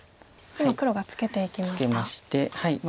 今黒がツケていきました。